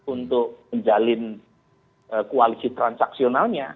untuk menjalin koalisi transaksionalnya